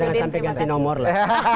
jangan sampai ganti nomor lah